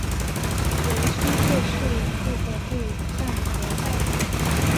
为苏克素护河部沾河寨长。